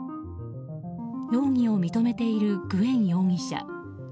容疑を認めているグエン容疑者。